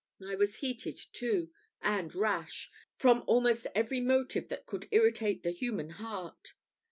I was heated too, and rash, from almost every motive that could irritate the human heart.